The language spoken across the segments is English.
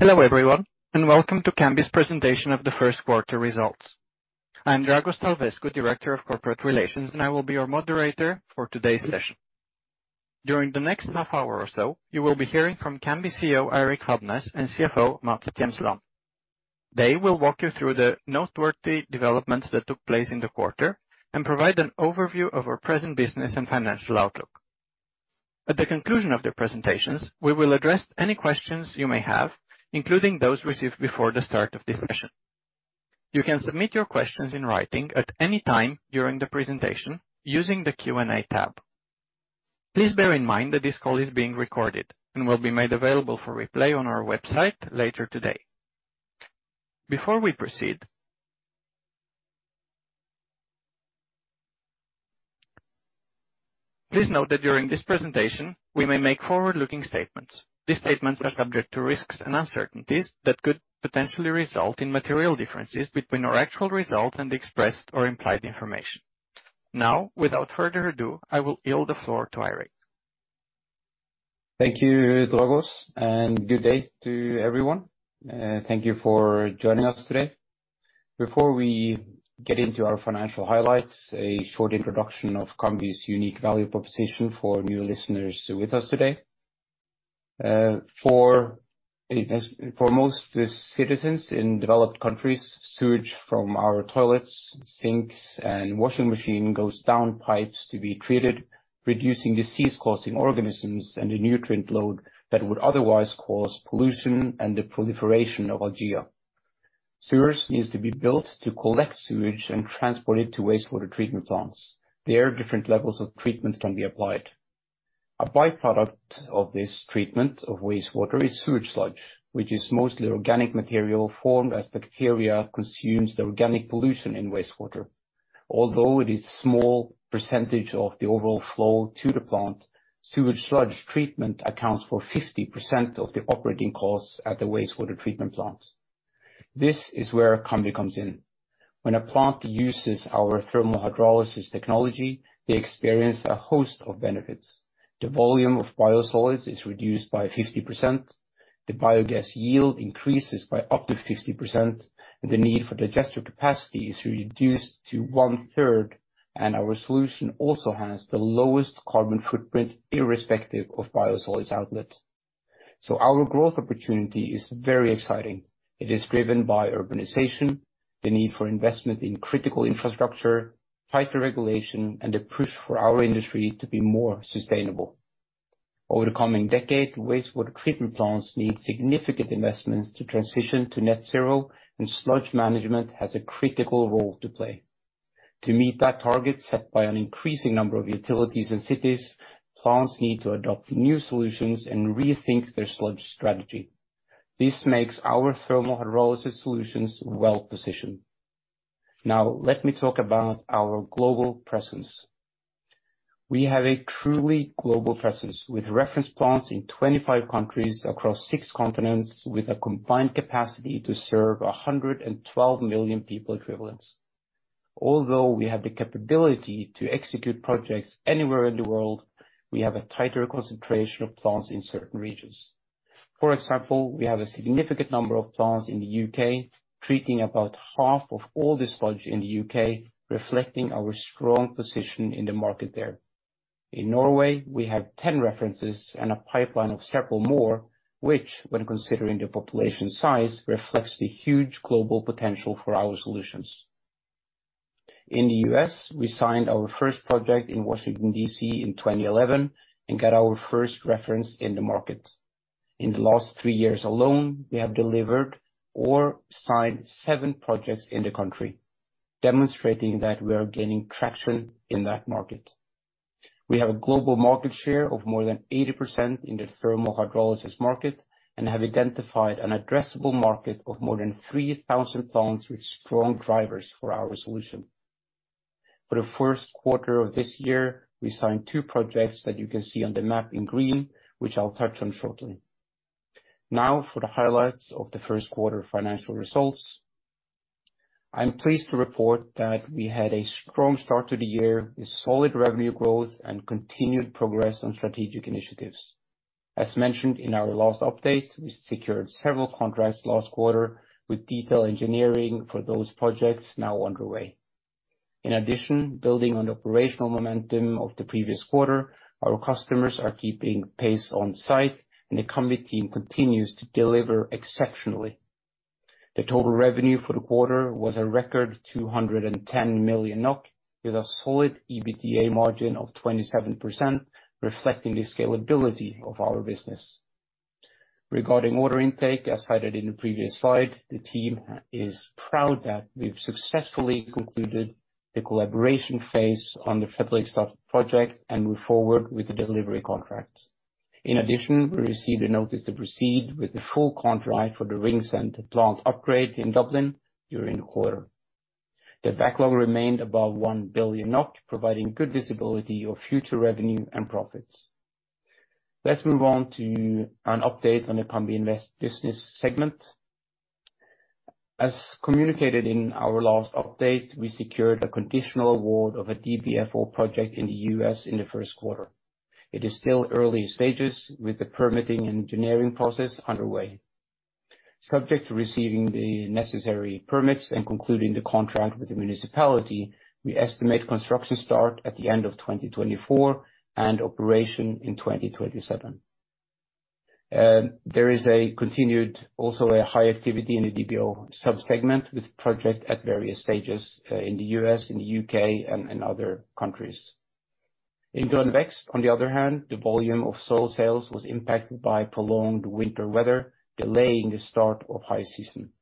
Hello everyone, welcome to Cambi's presentation of the first quarter results. I'm Dragoș Tălveșcu, Director of Corporate Relations, and I will be your moderator for today's session. During the next half hour or so, you will be hearing from Cambi CEO, Eirik Fadnes, and CFO, Mats Tjemsland. They will walk you through the noteworthy developments that took place in the quarter and provide an overview of our present business and financial outlook. At the conclusion of their presentations, we will address any questions you may have, including those received before the start of this session. You can submit your questions in writing at any time during the presentation using the Q&A tab. Please bear in mind that this call is being recorded and will be made available for replay on our website later today. Before we proceed, please note that during this presentation, we may make forward-looking statements. These statements are subject to risks and uncertainties that could potentially result in material differences between our actual results and expressed or implied information. Now, without further ado, I will yield the floor to Eirik. Thank you, Dragos, and good day to everyone. Thank you for joining us today. Before we get into our financial highlights, a short introduction of Cambi's unique value proposition for new listeners with us today. For most citizens in developed countries, sewage from our toilets, sinks, and washing machine goes down pipes to be treated, reducing disease-causing organisms and the nutrient load that would otherwise cause pollution and the proliferation of algae. Sewers needs to be built to collect sewage and transport it to wastewater treatment plants. There, different levels of treatment can be applied. A by-product of this treatment of wastewater is sewage sludge, which is mostly organic material formed as bacteria consumes the organic pollution in wastewater. Although it is small percentage of the overall flow to the plant, sewage sludge treatment accounts for 50% of the operating costs at the wastewater treatment plant. This is where Cambi comes in. When a plant uses our thermal hydrolysis technology, they experience a host of benefits. The volume of biosolids is reduced by 50%, the biogas yield increases by up to 50%, and the need for digester capacity is reduced to one-third, and our solution also has the lowest carbon footprint, irrespective of biosolids outlet. Our growth opportunity is very exciting. It is driven by urbanization, the need for investment in critical infrastructure, tighter regulation, and the push for our industry to be more sustainable. Over the coming decade, wastewater treatment plants need significant investments to transition to net zero, and sludge management has a critical role to play. To meet that target set by an increasing number of utilities and cities, plants need to adopt new solutions and rethink their sludge strategy. This makes our thermal hydrolysis solutions well-positioned. Let me talk about our global presence. We have a truly global presence with reference plants in 25 countries across six continents, with a combined capacity to serve 112 million population equivalents. Although we have the capability to execute projects anywhere in the world, we have a tighter concentration of plants in certain regions. For example, we have a significant number of plants in the U.K., treating about half of all the sludge in the U.K., reflecting our strong position in the market there. In Norway, we have 10 references and a pipeline of several more, which, when considering the population size, reflects the huge global potential for our solutions. In the U.S., we signed our first project in Washington, D.C. in 2011 and got our first reference in the market. In the last three years alone, we have delivered or signed seven projects in the country, demonstrating that we are gaining traction in that market. We have a global market share of more than 80% in the thermal hydrolysis market and have identified an addressable market of more than 3,000 tons with strong drivers for our solution. For the first quarter of this year, we signed two projects that you can see on the map in green, which I'll touch on shortly. For the highlights of the first quarter financial results. I'm pleased to report that we had a strong start to the year with solid revenue growth and continued progress on strategic initiatives. As mentioned in our last update, we secured several contracts last quarter, with detail engineering for those projects now underway. In addition, building on the operational momentum of the previous quarter, our customers are keeping pace on-site, and the Cambi team continues to deliver exceptionally. The total revenue for the quarter was a record 210 million NOK, with a solid EBITDA margin of 27%, reflecting the scalability of our business. Regarding order intake, as highlighted in the previous slide, the team is proud that we've successfully concluded the collaboration phase on the Felles-RA project and move forward with the delivery contracts. In addition, we received a notice to proceed with the full contract for the Ringsend plant upgrade in Dublin during the quarter. The backlog remained above 1 billion NOK, providing good visibility of future revenue and profits. Let's move on to an update on the Cambi Invest business segment. As communicated in our last update, we secured a conditional award of a DBFO project in the U.S. in the first quarter. It is still early stages with the permitting and engineering process underway. Subject to receiving the necessary permits and concluding the contract with the municipality, we estimate construction start at the end of 2024 and operation in 2027. There is a continued also a high activity in the DBO subsegment with project at various stages in the U.S., in the U.K. and in other countries. In Grønn Vekst, on the other hand, the volume of soil sales was impacted by prolonged winter weather, delaying the start of high season.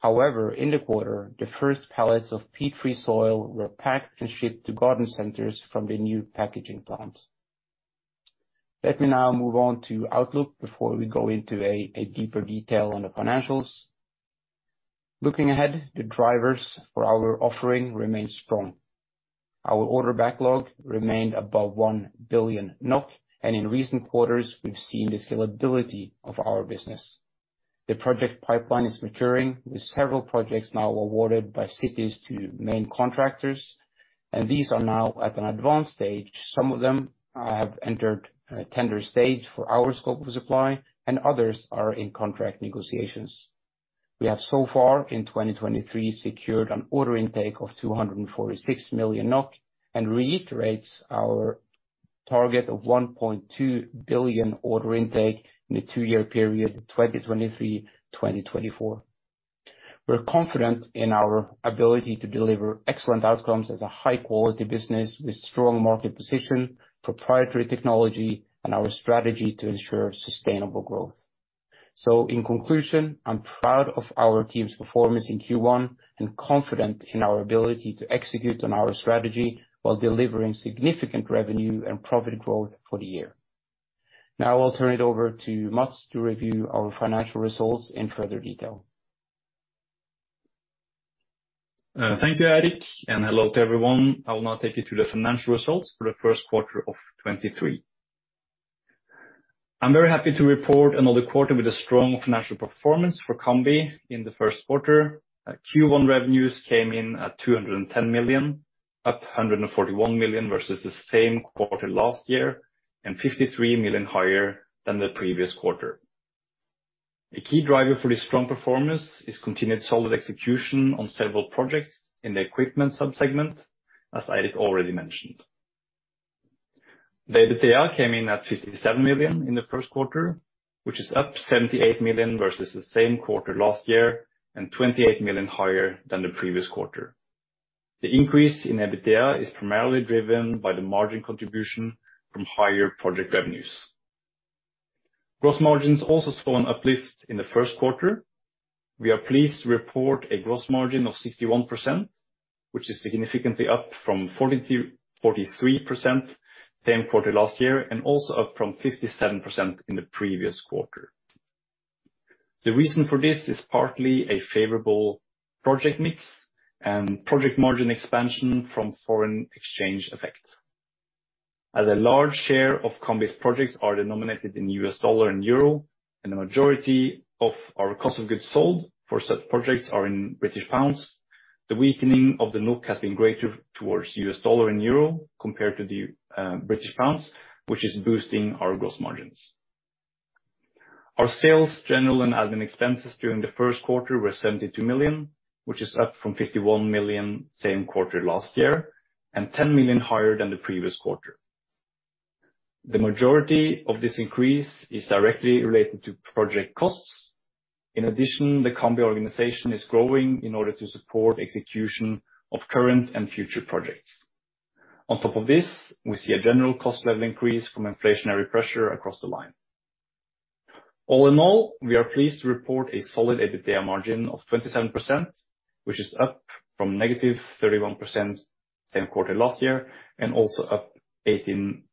However, in the quarter, the first pallets of peat-free soil were packed and shipped to garden centers from the new packaging plant. Let me now move on to outlook before we go into a deeper detail on the financials. Looking ahead, the drivers for our offering remain strong. Our order backlog remained above 1 billion NOK. In recent quarters, we've seen the scalability of our business. The project pipeline is maturing, with several projects now awarded by cities to main contractors. These are now at an advanced stage. Some of them have entered a tender stage for our scope of supply. Others are in contract negotiations. We have so far, in 2023, secured an order intake of 246 million NOK and reiterates our target of 1.2 billion order intake in the two-year period 2023, 2024. We're confident in our ability to deliver excellent outcomes as a high-quality business with strong market position, proprietary technology, and our strategy to ensure sustainable growth. In conclusion, I'm proud of our team's performance in Q1 and confident in our ability to execute on our strategy while delivering significant revenue and profit growth for the year. I'll turn it over to Mats to review our financial results in further detail. Thank you, Eirik, hello to everyone. I will now take you through the financial results for the first quarter of 2023. I'm very happy to report another quarter with a strong financial performance for Cambi in the first quarter. Q1 revenues came in at 210 million, up to 141 million versus the same quarter last year, 53 million higher than the previous quarter. A key driver for this strong performance is continued solid execution on several projects in the equipment subsegment, as Eirik already mentioned. The EBITDA came in at 57 million in the first quarter, which is up 78 million versus the same quarter last year, 28 million higher than the previous quarter. The increase in EBITDA is primarily driven by the margin contribution from higher project revenues. Gross margins also saw an uplift in the first quarter. We are pleased to report a gross margin of 61%, which is significantly up from 43% same quarter last year, and also up from 57% in the previous quarter. The reason for this is partly a favorable project mix and project margin expansion from foreign exchange effect. As a large share of Cambi's projects are denominated in U.S. dollar and euro, and the majority of our cost of goods sold for such projects are in British pound, the weakening of the NOK has been greater towards U.S. dollar and euro compared to the British pound, which is boosting our gross margins. Our sales, general, and admin expenses during the first quarter were 72 million, which is up from 51 million same quarter last year, and 10 million higher than the previous quarter. The majority of this increase is directly related to project costs. In addition, the Cambi organization is growing in order to support execution of current and future projects. On top of this, we see a general cost level increase from inflationary pressure across the line. All in all, we are pleased to report a solid EBITDA margin of 27%, which is up from negative 31% same quarter last year, and also up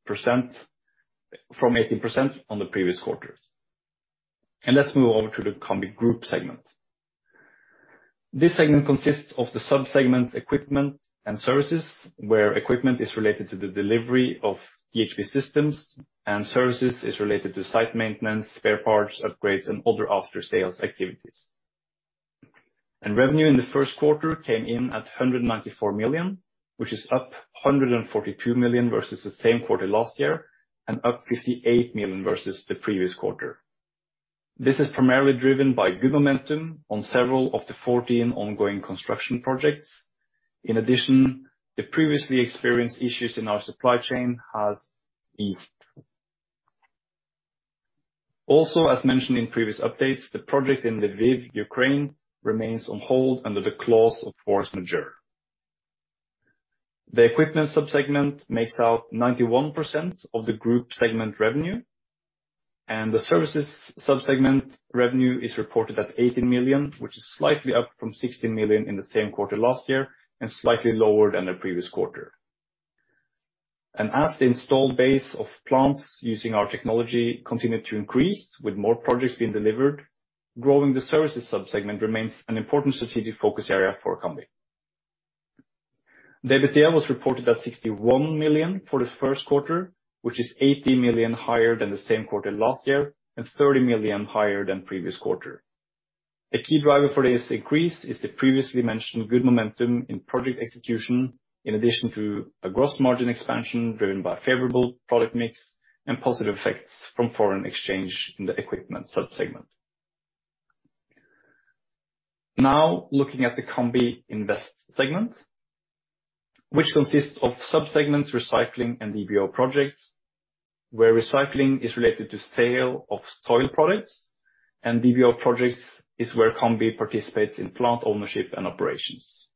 from 18% on the previous quarters. Let's move over to the Cambi Group segment. This segment consists of the subsegments equipment and services, where equipment is related to the delivery of THP systems and services is related to site maintenance, spare parts, upgrades, and other after-sales activities. Revenue in the first quarter came in at 194 million, which is up 142 million versus the same quarter last year and up 58 million versus the previous quarter. This is primarily driven by good momentum on several of the 14 ongoing construction projects. In addition, the previously experienced issues in our supply chain has eased. Also, as mentioned in previous updates, the project in Lviv, Ukraine remains on hold under the clause of force majeure. The equipment subsegment makes out 91% of the group segment revenue. The services subsegment revenue is reported at 18 million, which is slightly up from 16 million in the same quarter last year and slightly lower than the previous quarter. As the installed base of plants using our technology continue to increase with more projects being delivered, growing the services subsegment remains an important strategic focus area for Cambi. The EBITDA was reported at 61 million for the first quarter, which is 80 million higher than the same quarter last year, and 30 million higher than previous quarter. A key driver for this increase is the previously mentioned good momentum in project execution, in addition to a gross margin expansion driven by favorable product mix and positive effects from foreign exchange in the equipment sub-segment. Now looking at the Cambi Invest segment, which consists of sub-segments, recycling, and DBO projects, where recycling is related to sale of soil products, and DBO projects is where Cambi participates in plant ownership and operations.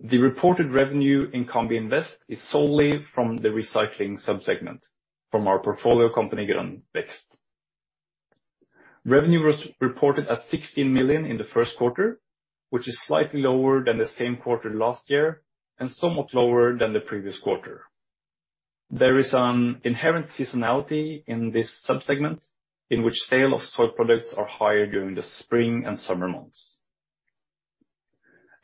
The reported revenue in Cambi Invest is solely from the recycling sub-segment from our portfolio company, Grønn Vekst. Revenue was reported at 16 million in the first quarter, which is slightly lower than the same quarter last year, and somewhat lower than the previous quarter. There is an inherent seasonality in this sub-segment, in which sale of soil products are higher during the spring and summer months.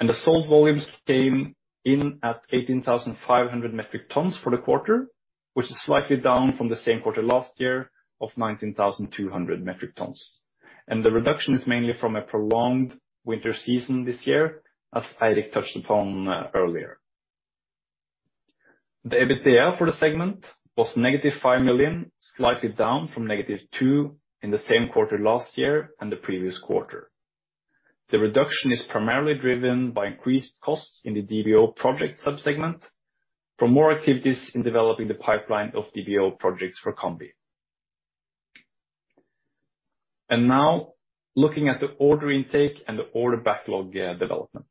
The sold volumes came in at 18,500 metric tons for the quarter, which is slightly down from the same quarter last year of 19,200 metric tons. The reduction is mainly from a prolonged winter season this year, as Eirik touched upon earlier. The EBITDA for the segment was negative 5 million, slightly down from negative 2 million in the same quarter last year and the previous quarter. The reduction is primarily driven by increased costs in the DBO project sub-segment from more activities in developing the pipeline of DBO projects for Cambi. Now looking at the order intake and the order backlog development.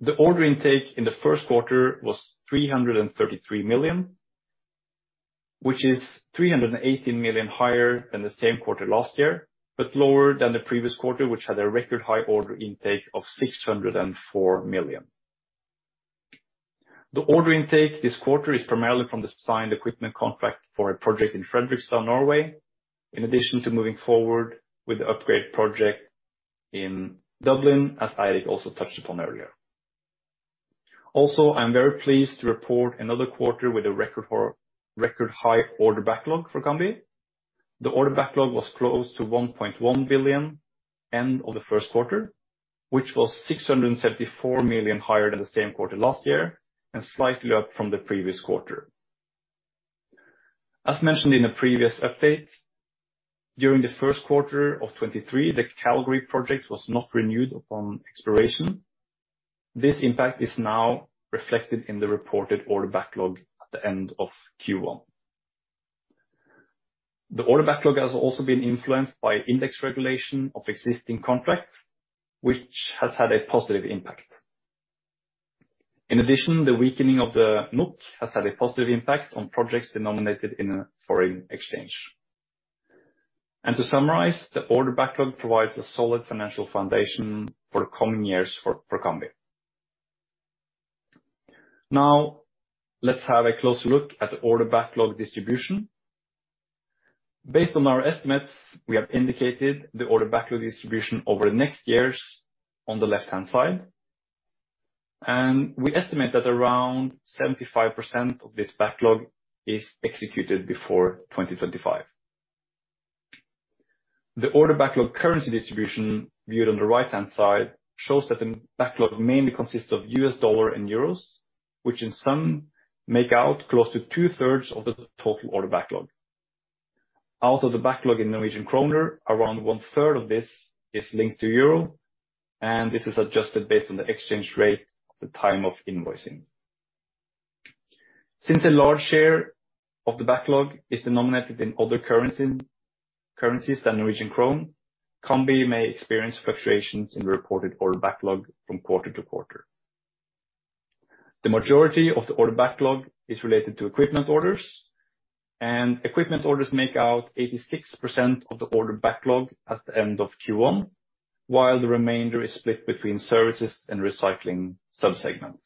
The order intake in the first quarter was 333 million, which is 318 million higher than the same quarter last year. Lower than the previous quarter, which had a record high order intake of 604 million. The order intake this quarter is primarily from the signed equipment contract for a project in Fredrikstad, Norway. In addition to moving forward with the upgrade project in Dublin, as Eirik also touched upon earlier. I'm very pleased to report another quarter with a record high order backlog for Cambi. The order backlog was close to 1.1 billion end of the first quarter, which was 674 million higher than the same quarter last year and slightly up from the previous quarter. As mentioned in a previous update, during the first quarter of 2023, the Calgary project was not renewed upon expiration. This impact is now reflected in the reported order backlog at the end of Q1. The order backlog has also been influenced by index regulation of existing contracts, which has had a positive impact. In addition, the weakening of the NOK has had a positive impact on projects denominated in a foreign exchange. To summarize, the order backlog provides a solid financial foundation for the coming years for Cambi. Now, let's have a close look at the order backlog distribution. Based on our estimates, we have indicated the order backlog distribution over the next years on the left-hand side. We estimate that around 75% of this backlog is executed before 2025. The order backlog currency distribution, viewed on the right-hand side, shows that the backlog mainly consists of U.S. dollar and euros, which in sum account for close to two-thirds of the total order backlog. Out of the backlog in Norwegian kroner, around 1/3 of this is linked to euro, and this is adjusted based on the exchange rate at the time of invoicing. Since a large share of the backlog is denominated in other currency, currencies than Norwegian krone, Cambi may experience fluctuations in the reported order backlog from quarter to quarter. The majority of the order backlog is related to equipment orders, and equipment orders make out 86% of the order backlog at the end of Q1, while the remainder is split between services and recycling sub-segments.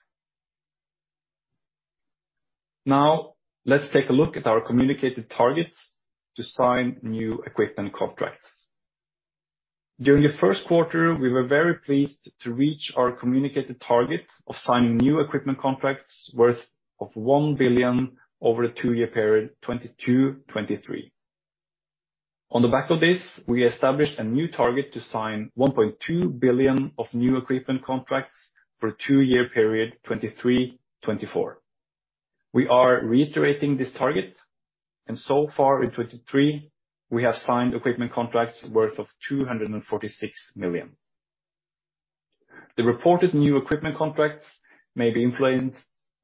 Let's take a look at our communicated targets to sign new equipment contracts. During the first quarter, we were very pleased to reach our communicated target of signing new equipment contracts worth 1 billion over a two-year period, 2022-2023. On the back of this, we established a new target to sign 1.2 billion of new equipment contracts for a two-year period, 2023-2024. We are reiterating this target, and so far in 2023, we have signed equipment contracts worth 246 million. The reported new equipment contracts may be influenced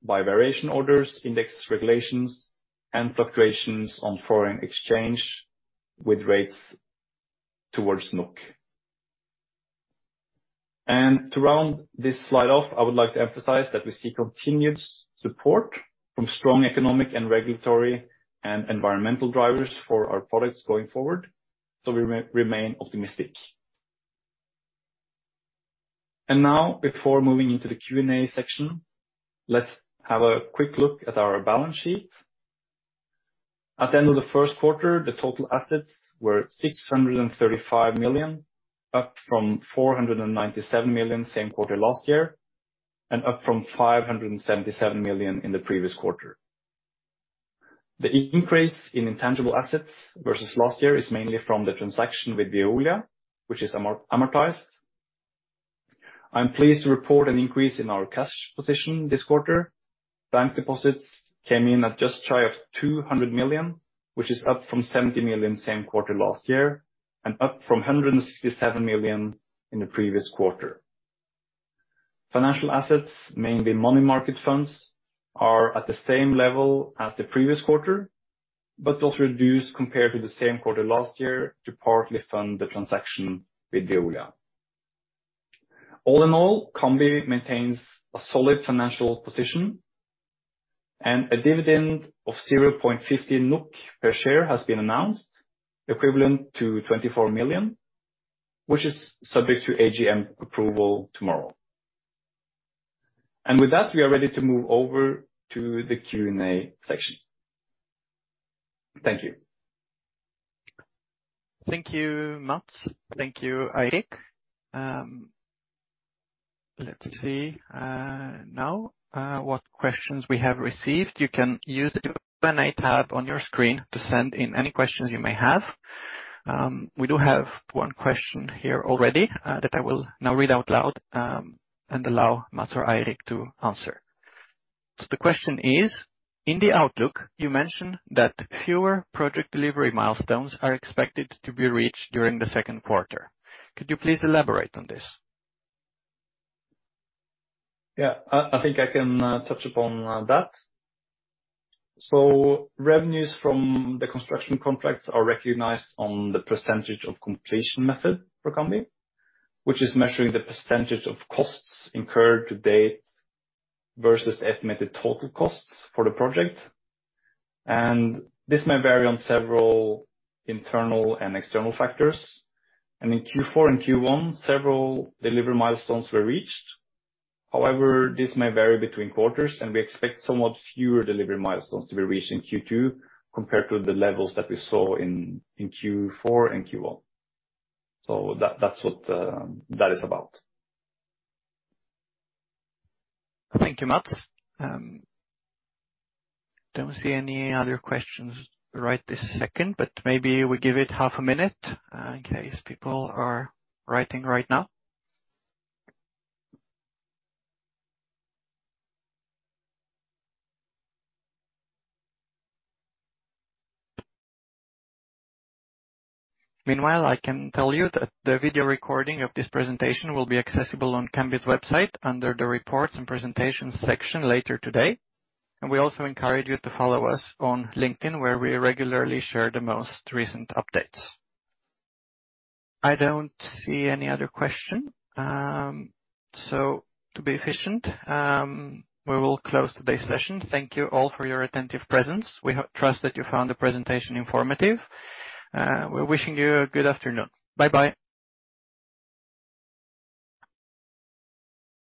by variation orders, index regulations, and fluctuations on foreign exchange with rates towards NOK. To round this slide off, I would like to emphasize that we see continued support from strong economic and regulatory and environmental drivers for our products going forward, so we remain optimistic. Now, before moving into the Q&A section, let's have a quick look at our balance sheet. At the end of the first quarter, the total assets were 635 million, up from 497 million same quarter last year, and up from 577 million in the previous quarter. The increase in intangible assets versus last year is mainly from the transaction with Veolia, which is amortized. I'm pleased to report an increase in our cash position this quarter. Bank deposits came in at just shy of 200 million, which is up from 70 million same quarter last year and up from 167 million in the previous quarter. Financial assets, mainly money market funds, are at the same level as the previous quarter. Those reduced compared to the same quarter last year to partly fund the transaction with Veolia. All in all, Cambi maintains a solid financial position and a dividend of 0.50 NOK per share has been announced, equivalent to 24 million NOK, which is subject to AGM approval tomorrow. With that, we are ready to move over to the Q&A section. Thank you. Thank you, Mats. Thank you, Eirik. Let's see now what questions we have received. You can use the Q&A tab on your screen to send in any questions you may have. We do have one question here already that I will now read out loud and allow Mats or Eirik to answer. The question is: In the outlook, you mentioned that fewer project delivery milestones are expected to be reached during the second quarter. Could you please elaborate on this? Yeah, I think I can touch upon that. Revenues from the construction contracts are recognized on the percentage of completion method for Cambi, which is measuring the percentage of costs incurred to date versus the estimated total costs for the project. This may vary on several internal and external factors. In Q4 and Q1, several delivery milestones were reached. However, this may vary between quarters, and we expect somewhat fewer delivery milestones to be reached in Q2 compared to the levels that we saw in Q4 and Q1. That's what that is about. Thank you, Mats. Don't see any other questions right this second, but maybe we give it half a minute in case people are writing right now. Meanwhile, I can tell you that the video recording of this presentation will be accessible on Cambi's website under the Reports and Presentations section later today. We also encourage you to follow us on LinkedIn, where we regularly share the most recent updates. I don't see any other question. To be efficient, we will close today's session. Thank you all for your attentive presence. We trust that you found the presentation informative. We're wishing you a good afternoon. Bye-bye.